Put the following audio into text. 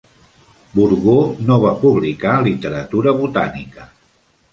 Bourgeau no va publicar literatura botànica.